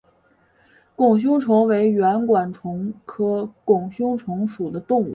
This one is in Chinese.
拱胸虫为圆管虫科拱胸虫属的动物。